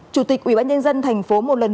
chủ tịch ubnd tp một lần